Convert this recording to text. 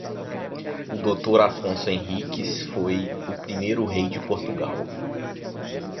O D. Afonso Henriques foi o primeiro rei de Portugal